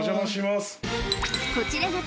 ［こちらが］